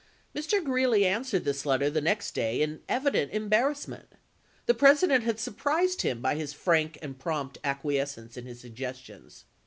Mr. Greeley answered this letter the next day in evident embarrassment. The President had sur prised him by his frank and prompt acquiescence in his suggestions.